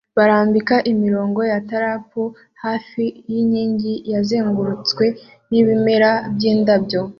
barambika imirongo ya tarp hafi yinkingi yazengurutswe nibimera byindabyo